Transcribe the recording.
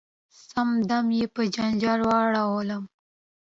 سم دم یې په جنجال واړولم .